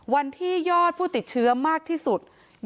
วันที่ยอดผู้ติดเชื้อมากที่สุด